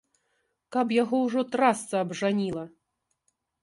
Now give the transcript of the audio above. Каб яго ўжо трасца абжаніла!